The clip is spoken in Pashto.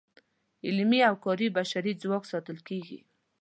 علمي او کاري بشري ځواک ساتل کیږي.